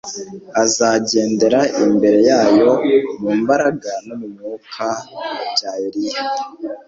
azagendera imbere yayo mu mbaraga no mu mwuka bya Eliya,